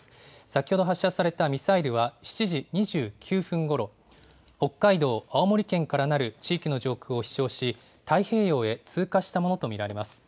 先ほど発射されたミサイルは７時２９分ごろ、北海道、青森県からなる地域の上空を飛しょうし、太平洋へ通過したものと見られます。